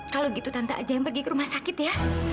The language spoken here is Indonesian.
kalau gitu tante aja yang pergi ke rumah sakit ya